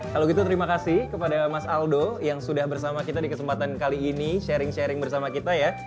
kalau gitu terima kasih kepada mas aldo yang sudah bersama kita di kesempatan kali ini sharing sharing bersama kita ya